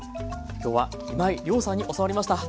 今日は今井亮さんに教わりました。